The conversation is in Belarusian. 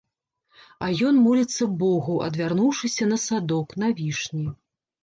А ён моліцца богу, адвярнуўшыся на садок, на вішні.